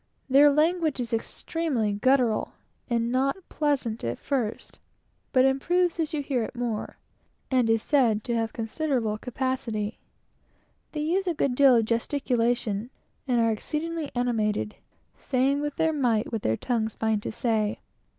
Their language is extremely guttural, and not pleasant at first, but improves as you hear it more, and is said to have great capacity. They use a good deal of gesticulation, and are exceedingly animated, saying with their might what their tongues find to say.